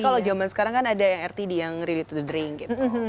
tapi kalau zaman sekarang kan ada yang rtd yang related to the drink gitu